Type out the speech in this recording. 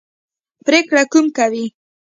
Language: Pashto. پرېکړه کوم کوي.